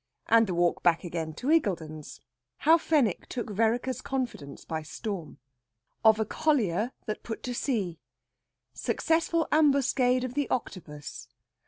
AND THE WALK BACK AGAIN TO IGGULDEN'S. HOW FENWICK TOOK VEREKER'S CONFIDENCE BY STORM. OF A COLLIER THAT PUT TO SEA. SUCCESSFUL AMBUSCADE OF THE OCTOPUS.